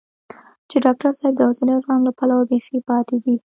چې ډاکټر صاحب د حوصلې او زغم له پلوه بېخي پاتې دی.